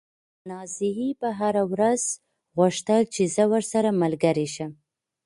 نازيې به هره ورځ غوښتل چې زه ورسره ملګرې شم.